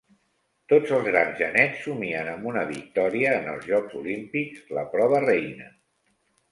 Tots els grans genets somien amb una victòria en els Jocs Olímpics, la prova reina.